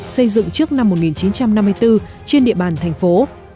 xây dựng trước năm một nghìn chín trăm năm mươi bốn trên địa bàn thành phố